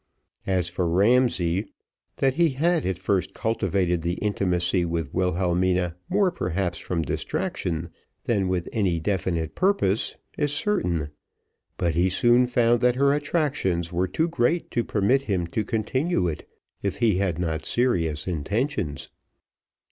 As for Ramsay, that he had at first cultivated the intimacy with Wilhelmina more perhaps from distraction than with any definite purpose, is certain; but he soon found that her attractions were too great to permit him to continue it, if he had not serious intentions.